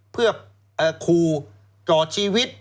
เพื่อขู่จอดชีวิต